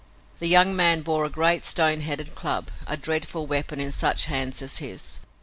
The young man bore a great stone headed club, a dreadful weapon in such hands as his.